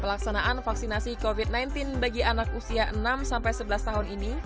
pelaksanaan vaksinasi covid sembilan belas bagi anak usia enam sebelas tahun ini